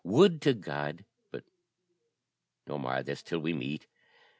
Would to God but no more of this till we meet.